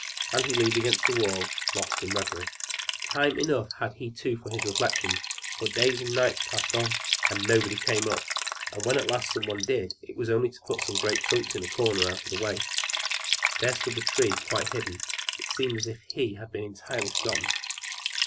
And he leaned against the wall lost in reverie. Time enough had he too for his reflections; for days and nights passed on, and nobody came up; and when at last somebody did come, it was only to put some great trunks in a corner, out of the way. There stood the Tree quite hidden; it seemed as if he had been entirely forgotten.